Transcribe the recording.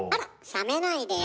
冷めないでよ。